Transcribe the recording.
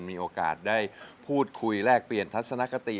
มีโอกาสได้พูดคุยแลกเปลี่ยนทัศนคติ